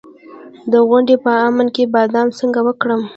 د غونډۍ په لمن کې بادام څنګه وکرم؟